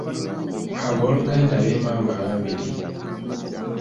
Abooluganda ab’emmamba ababiri.